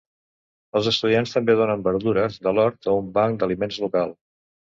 Els estudiants també donen verdures de l'hort a un banc d'aliments local.